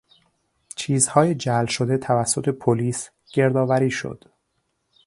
چیزهای جعل شده توسط پلیس گردآوری شد.